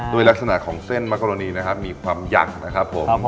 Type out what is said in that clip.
โดยลักษณะของเส้นมักโกโรนีนะครับมีความยังนะครับผม